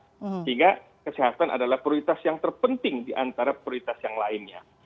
sehingga kesehatan adalah prioritas yang terpenting diantara prioritas yang lainnya